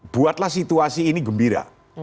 buatlah situasi ini gembira